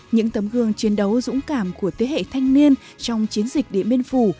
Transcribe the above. những tấm gương chiến đấu dũng cảm của thế hệ thanh niên trong chiến dịch điện biên phủ